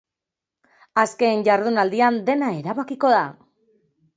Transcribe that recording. Azken jardunaldian, dena erabakiko da.